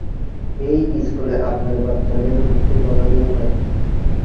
এই স্কুলে আপনার বাচ্চাদের ভর্তি করানো যাবে না।